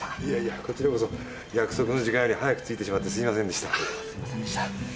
いやいやこちらこそ約束の時間より早く着いてしまってすみませんでした。